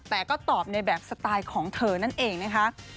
แต่ก็ตอบในแบบสไตล์ของเธอนั่นเองนะคะ